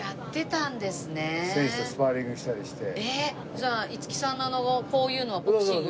じゃあ五木さんのあのこういうのはボクシング。